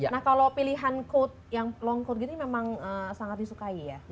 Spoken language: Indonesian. nah kalau pilihan coat yang long coat gitu ini memang sangat disukai ya